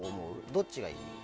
どっちがいい？